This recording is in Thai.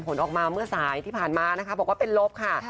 ผลออกมาเมื่อสายที่ผ่านมานะคะบอกว่าเป็นลบค่ะ